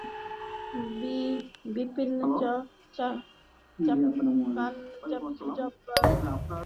বিপিন চাপকান জোব্বা এবং আঁট প্যাণ্টলুন লইয়া কষ্টে তাঁহাকে প্রণাম করিলেন।